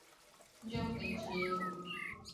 Njoo kwetu leo